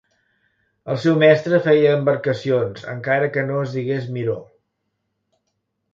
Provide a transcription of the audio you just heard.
El seu mestre feia embarcacions, encara que no es digués Miró.